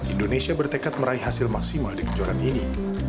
indonesia bertekad meraih hasil maksimal di kejuaraan ini